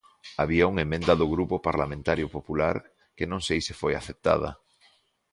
Había unha emenda do Grupo Parlamentario Popular que non sei se foi aceptada.